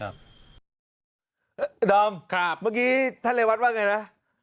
ครับเดิมครับเมื่อกี้ท่านเรวัตรว่าไงน่ะ